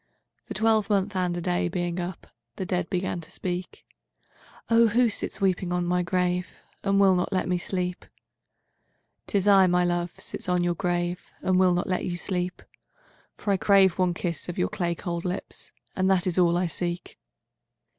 'IIIThe twelvemonth and a day being up, The dead began to speak:'Oh who sits weeping on my grave, And will not let me sleep?'—IV''Tis I, my love, sits on your grave, And will not let you sleep; For I crave one kiss of your clay cold lips, And that is all I seek.